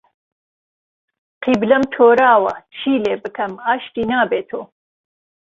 قیبلهم تۆراوه چی لێ بکهم ئاشتی نابێتهو